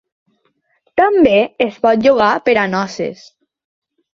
També es pot llogar per a noces.